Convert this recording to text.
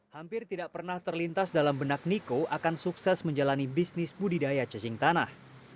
hampir tidak pernah terlintas dalam benak niko akan sukses menjalani bisnis budidaya cacing tanah